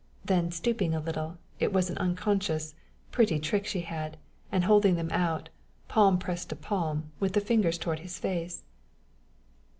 then stooping a little it was an unconscious, pretty trick she had and holding them out, palm pressed to palm, with the fingers toward his face.